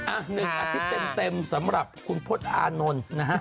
อันนึงค่ะที่เต็มสำหรับคุณพจน์อานนท์นะฮะ